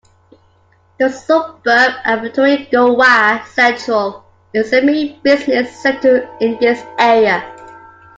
The suburb of Thuringowa Central is the main business centre in this area.